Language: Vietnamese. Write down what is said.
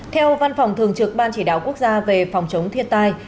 theo văn phòng thường trực ban chỉ đạo quốc gia về phòng chống thiên tai